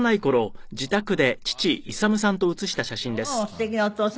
すてきなお父様ね。